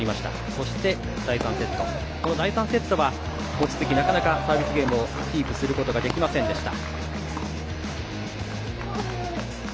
そして、第３セット第３セットは、なかなかサービスゲームをキープすることができませんでした。